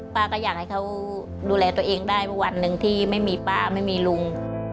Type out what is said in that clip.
ป้าก็อยากให้เขาดูแลตัวเองได้เมื่อวันหนึ่งที่ไม่มีป้าไม่มีลุง